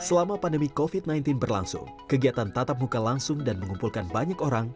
selama pandemi covid sembilan belas berlangsung kegiatan tatap muka langsung dan mengumpulkan banyak orang